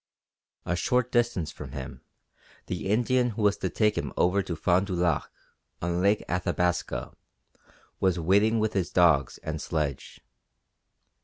A short distance from him the Indian who was to take him over to Fond du Lac, on Lake Athabasca, was waiting with his dogs and sledge.